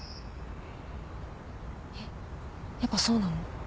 えっやっぱそうなの？